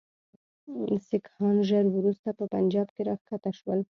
سیکهان ژر وروسته په پنجاب کې را کښته شول.